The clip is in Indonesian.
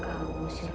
ngapain kamu sih nona